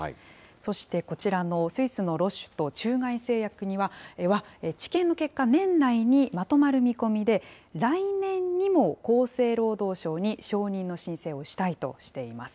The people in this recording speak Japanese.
そしてこちらのスイスのロシュと中外製薬には、治験の結果、年内にまとまる見込みで、来年にも厚生労働省に承認の申請をしたいとしています。